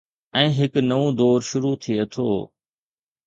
۽ هڪ نئون دور شروع ٿئي ٿو.